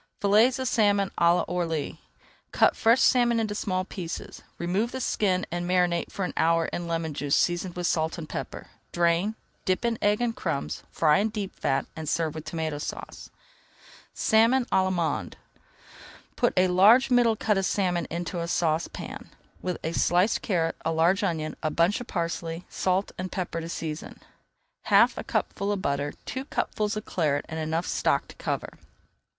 FILLETS OF SALMON À L'ORLY Cut fresh salmon into small pieces, remove the skin, and marinate for an hour in lemon juice seasoned with salt and pepper. Drain, dip in egg and crumbs, fry in deep fat, and serve with Tomato Sauce. SALMON À L'ALLEMANDE Put a large middle cut of salmon into a saucepan, with a sliced carrot, a large onion, a bunch of parsley, salt and pepper to season, half a cupful of butter, two cupfuls of Claret, and enough stock to cover.